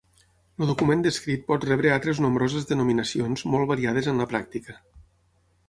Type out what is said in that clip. El document descrit pot rebre altres nombroses denominacions molt variades en la pràctica.